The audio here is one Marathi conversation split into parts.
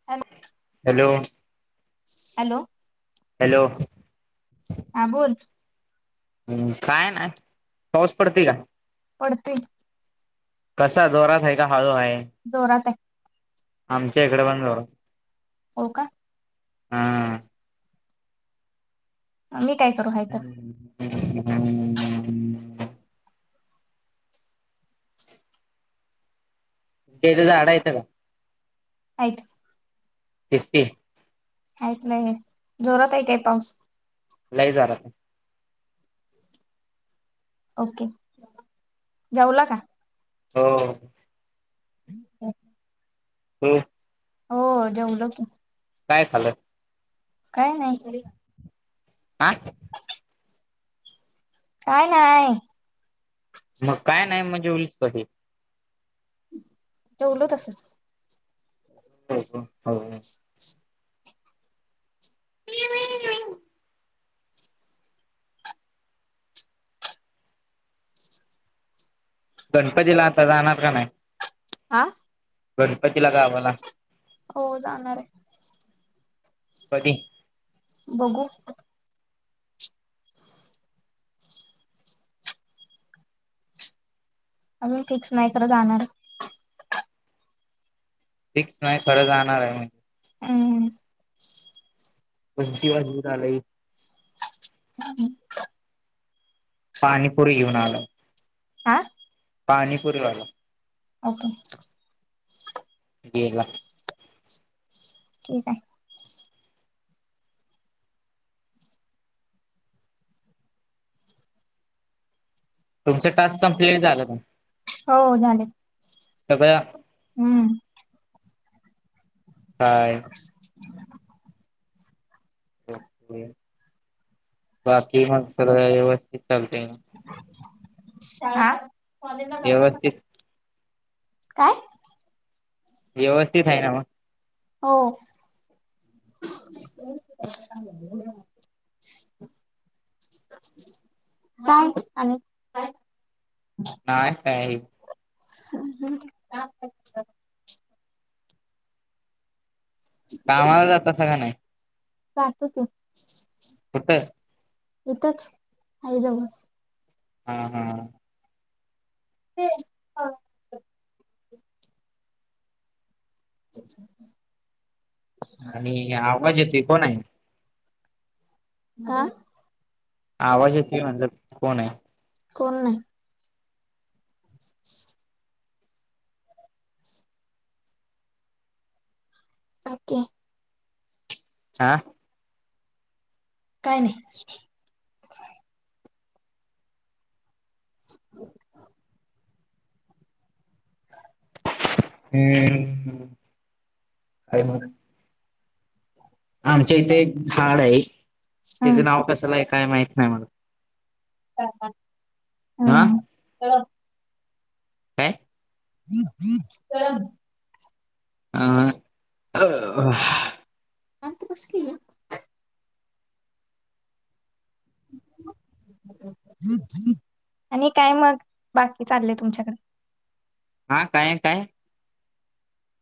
[inaudible] हॅलो. हॅलो. हॅलो. हा बोल. हम् काय ना पाऊस पडतोय का? पडतोय कसा जोरात हाय का हळू हाय? जोरातय. आमच्या इकडे पण जोरात. हो का? हम्म. मी काय करू ह्या [inaudible] त्येजं झाडं येत का? हायतं. कस ती. हायत नाही, जोरात आहे काय पाऊस. नाही जरा ओके, जेवला का. हो, हो. हो. हो जेवलो. काय खाल्ल. काय नाही. [inaudible] काय नाय. मग काय नाही मग जेवलीस कशी. जेवलो तसंच. हो, हो. [inaudible] गणपती ला आता जाणार का नाही. आज. गणपतीला गावाला. हो जाणार आहे. कधी. बघू. अजून फिक्स नाही, खरं जाणाराय. फिक्स नाही खरं जाणार आहे मी. हम. घंटी वाजवून आरती. [inaudible] पाणीपुरी घेऊन आलो. हा. पाणीपुरीवाला. ओके. [unintelligible] ठीक आहे. तुमचं टास्क कमप्लीट झालं का. हो झाले. सगळ. हम्म. काय. बाकी मग सगळ व्यवस्थित चालते ना. शाळा कॉलेजला जातोय. व्यवस्थित काय. व्यवस्थित आहे नव्ह. हो. [inaudible] काय आणि काय. नाही काय. हम कामाला जातास का नाही जातो की कुठं इथच आहे जवळ हा, हा ते हा [unintelligible] आणि आवाज येतोय कोण आहे? आ आवाज येतोय म्हणलं कोण आहे? कोण नाही [inaudible] ओके आ काय नाही [inaudible] हम्म काय मग आमच्या इथे एक झाड आहे त्याचं नाव हम्म कसला आहे काय माहित नाही मला हा हम काय? गरम अ आह आणि ते कस केलं? आणि काय मग बाकी चाललय तुमच्याकडे? हा काय, काय?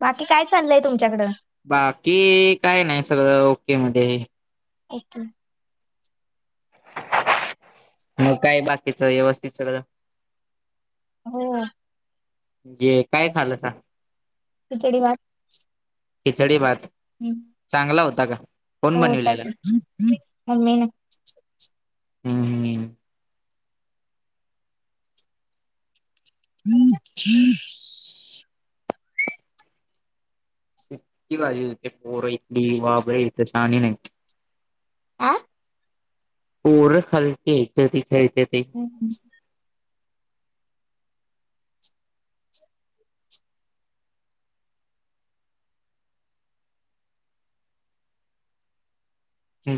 बाकी काय चाललंय तुमच्याकडं? बाकी काय नाही सगळ ओके मध्ये एकदम मग काय बाकीचं व्यवस्थित सगळं हो ये काय खाल्लसा? खिचडी भात खिचडी भात चांगला होता का कोण हो बनविलेलं त्याची मम्मी न हम्म [unintelligible] इतकी पोर इथली वागली इथली शानी नाहीत आं पोर खालची इथ खेळत्यातीय [unintelligible]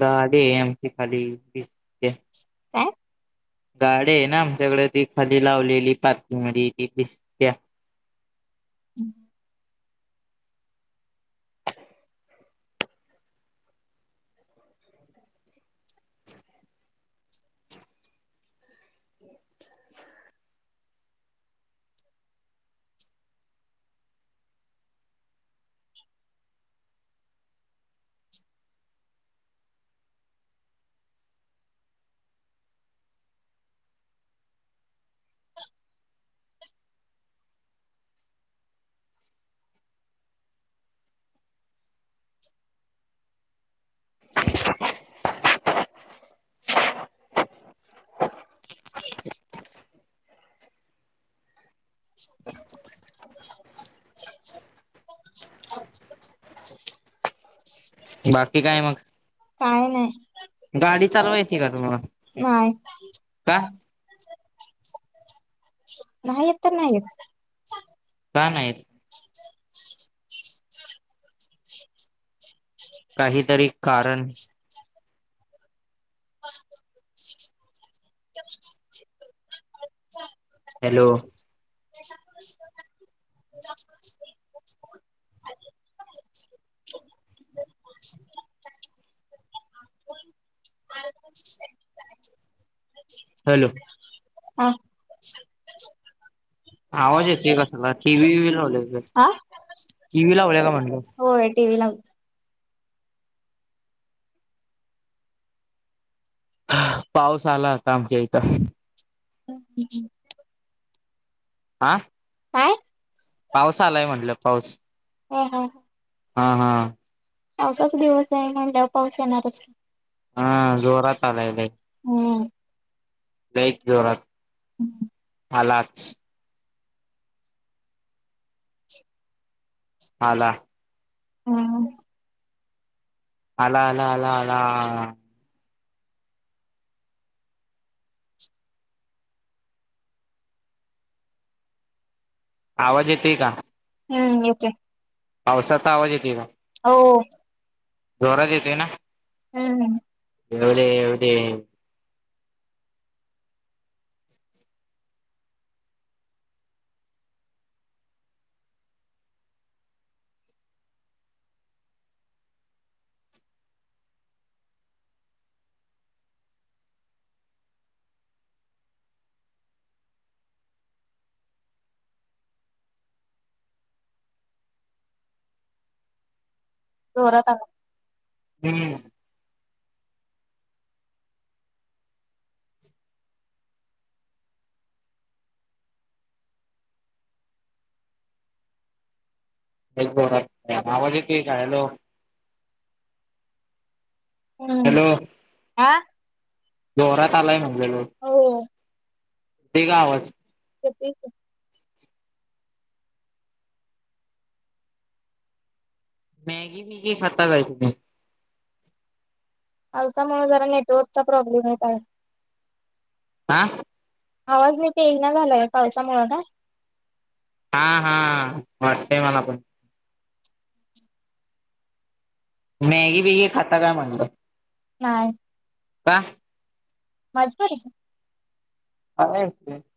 गाडी आहे आमची खाली काय गाडी आहे ना आमच्याकडे ती खाली लावलेली पार्किंग मध्ये ती [unintelligible] [unintelligible] [unintelligible] [unintelligible] बाकी काय मग काय नाही गाडी चालवाय येते का तुम्हाला नाय का नाही येत तर नाही येत काय आहे काहीतरी कारण [inaudible] हॅलो- [unintelligible] अ [unintelligible] [unintelligible] हॅलो आं आवाज येतोय कसला टीव्ही लावले टीव्ही लावल्या का [unintelligible] आं टी व्ही लावलाय का म्हणलं होय टिव्ही लाव पाऊस आला आता आमच्या इथं ह [inaudible] आं काय पाऊस आलाय म्हटल पाऊस हो हो हां हां पावसाचे दिवस आहे म्हणल्यावर पाऊस येणारच हां जोरात आलाय लय हम लईच जोरात [inaudible] आलाच आला हं आला आला आला आला आवाज येते का हं येते पावसाचा आवाज येते का होव जोरात येते ना हं हं येऊदे येऊदे जोरात आला हं लयच जोरात येतेय आवाज येतेय का हॅलो हम्म हॅलो आं जोरात आलाय म्हटल लय होव ते गावाच येतूय की. मॅगी बीगी खाता काय तुम्ही? आलचामुळे जरा नेटवर्कचा प्रॉब्लेम येत आहे. आ? आवाज नाही नीट येईना झालाय पावसामुळं का? हा हा वाटतंय मला पण. मॅगी बीगी खाता का म्हणलं? नाय. का? माझ [unintelligible] [unintelligible]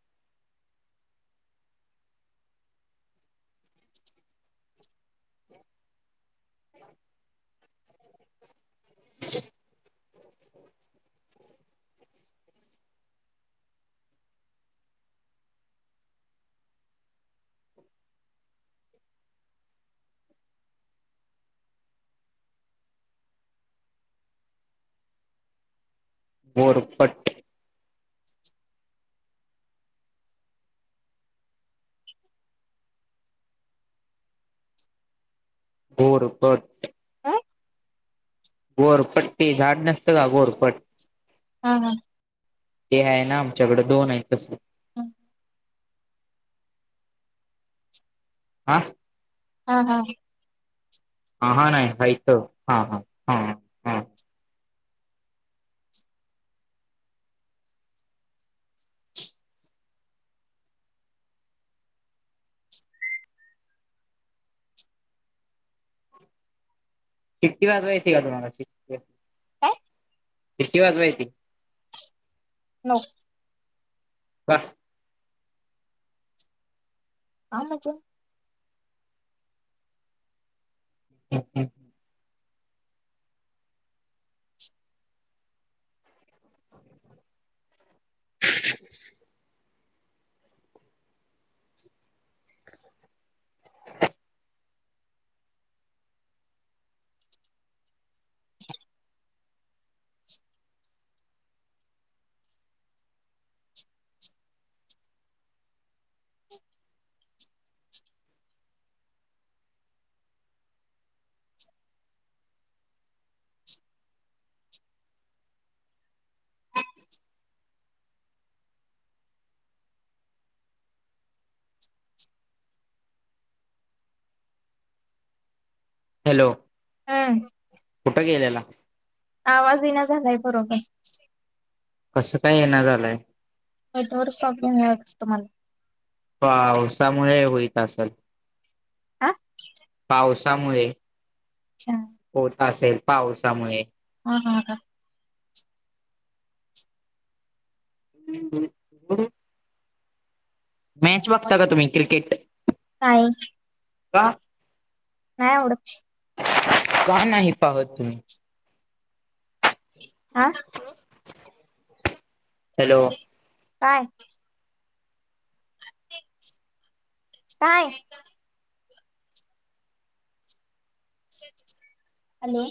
[inaudible] घोरपट्ट. घोरपट्ट. हा घोरपट्टी झाड नसतं का? घोरपट. हा हा. ते आहे ना आमच्याकडं दोन आहे तसली. [unintelligible] आ? हा हा. हा हा नाय हायतं हा हा हा. हा शिट्टी वाजवाय येती का तुम्हाला अशी? काय शिट्टी वाजवाय येती? नो. का? का म्हणजे? [unintelligible] [inaudible] [inaudible] [inaudible] [inaudible] [inaudible] हॅलो. हम्म कुठं गेलेला आवाज ईना झालाय बरोबर. कसं काय इना झालाय? नेटवर्क सापडून आज तुम्हाला. पावसामुळे होईत असल. हा पाऊस त्यामुळे अच्छा होत असेल पावसामुळे. हा हा का. [unintelligible] [unintelligible] मॅच बघता का तुम्ही क्रिकेट? नाही का? नाय आवडत. का नाही पाहत तुम्ही? आं? हॅलो काय? काय? हॅलो.